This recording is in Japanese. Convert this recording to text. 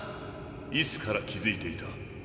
いつから気づいていた？